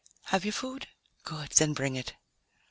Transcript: "Have you food? Good, then bring it."